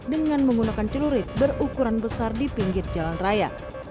dengan menggunakan celurit berukuran besar di pinggir jalan raya